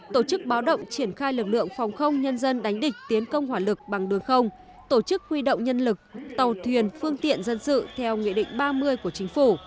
tổ chức báo động triển khai lực lượng phòng không nhân dân đánh địch tiến công hỏa lực bằng đường không tổ chức huy động nhân lực tàu thuyền phương tiện dân sự theo nghị định ba mươi của chính phủ